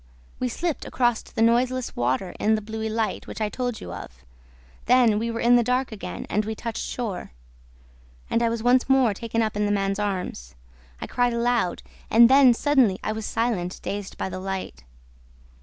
We slipped across the noiseless water in the bluey light which I told you of; then we were in the dark again and we touched shore. And I was once more taken up in the man's arms. I cried aloud. And then, suddenly, I was silent, dazed by the light...